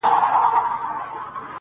ښار د سوداګرو دی په یار اعتبار مه کوه؛